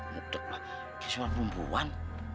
muntut loh kayak semua bumbuan